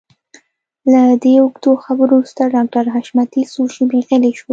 له دې اوږدو خبرو وروسته ډاکټر حشمتي څو شېبې غلی شو.